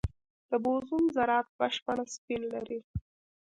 د بوزون ذرات بشپړ سپین لري.